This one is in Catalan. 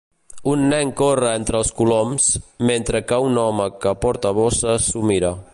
Un nen corre entre els coloms, mentre que un home que porta bosses s'ho mira.